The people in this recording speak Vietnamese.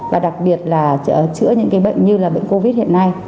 và đặc biệt là chữa những bệnh như bệnh covid hiện nay